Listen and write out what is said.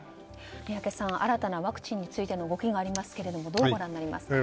宮家さん、新たなワクチンについての動きがありますがどうご覧になりますか？